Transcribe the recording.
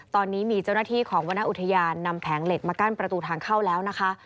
ตอนนี้มีเจ้าหน้าที่ของวรรณอุทยานนำแผงเหล็กมากั้นประตูทางเข้าแล้วนะคะ